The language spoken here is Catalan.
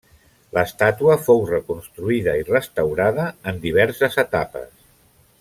L'estàtua fou reconstruïda i restaurada en diverses etapes.